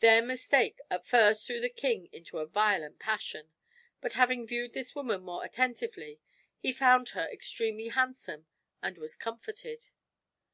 Their mistake at first threw the king into a violent passion; but having viewed this woman more attentively, he found her extremely handsome and was comforted.